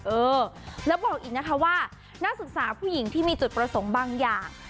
เออแล้วบอกอีกนะคะว่านักศึกษาผู้หญิงที่มีจุดประสงค์บางอย่าง